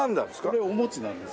これお餅なんですけど。